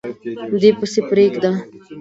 دی پسي پریږده